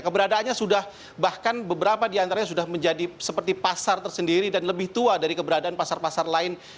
keberadaannya sudah bahkan beberapa diantaranya sudah menjadi seperti pasar tersendiri dan lebih tua dari keberadaan pasar pasar lain